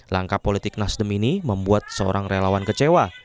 langkah politik nasdem ini membuat seorang relawan kecewa